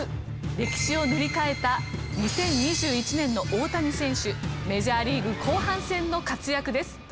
歴史を塗り替えた２０２１年の大谷選手メジャーリーグ後半戦の活躍です。